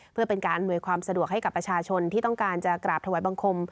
เพื่อเป็นการอำนวยความสะดวกให้กับประชาชนที่ต้องการจะกราบถวายบังคม